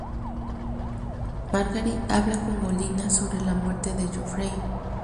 Margaery habla con Olenna sobre la muerte de Joffrey.